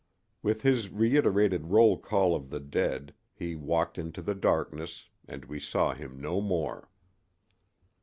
With this reiterated roll call of the dead he walked into the darkness and we saw him no more.